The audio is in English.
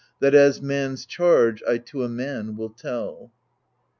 That, as man's charge, I to a man will tell.